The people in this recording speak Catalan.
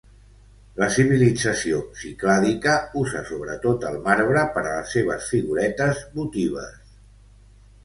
La civilització ciclàdica usa sobretot el marbre per a les seves figuretes votives.